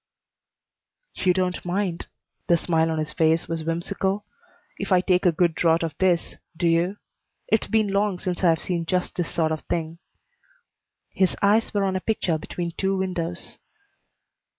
"You don't mind," the smile on his face was whimsical, "if I take a good draught of this, do you? It's been long since I've seen just this sort of thing." His eyes were on a picture between two windows.